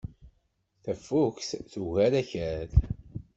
Tafukt tugar Akal.